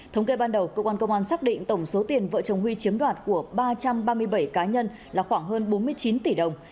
thống kê ban đầu cơ quan công an xác định tổng số tiền vợ chồng huy chiếm đoạt của ba trăm ba mươi bảy cá nhân là khoảng hơn bốn mươi chín tỷ đồng